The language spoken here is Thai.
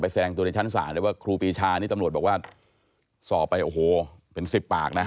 แสดงตัวในชั้นศาลเลยว่าครูปีชานี่ตำรวจบอกว่าสอบไปโอ้โหเป็นสิบปากนะ